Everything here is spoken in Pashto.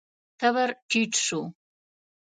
تبر ټيټ شو.